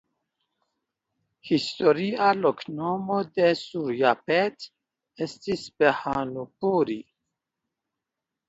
Historia loknomo de Surjapet estis "Bhanupuri".